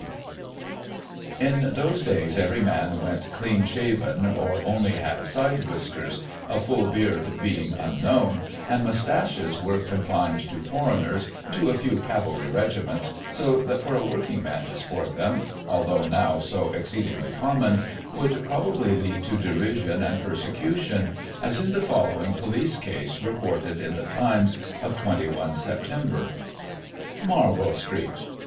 B." In those days every man went clean shaven, or only had^^ side whiskers, a full beard being unknown, and moustaches were confined to foreigners and to a few cavalry regiments, ^ so that for a working man to sport them (although now so Digiti ized by Google 14 GOSSIP. [1837 exceedingly common) would probably lead to derision and persecution, as in the following police case reported in the Times of 2 1 Sep. : Marlborough Street.